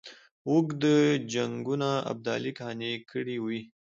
اوږدو جنګونو ابدالي قانع کړی وي.